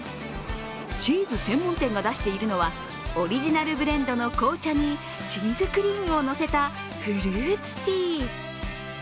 チーズ専門店が出しているのはオリジナルブレンドの紅茶にチーズクリームを乗せたフルーツティー。